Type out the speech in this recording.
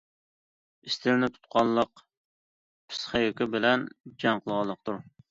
ئىستىلنى تۇتقانلىق پىسخىكا بىلەن جەڭ قىلغانلىقتۇر.